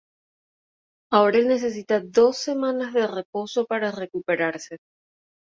Ahora el necesita dos semanas de reposo para recuperarse.